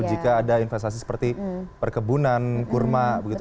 jika ada investasi seperti perkebunan kurma begitu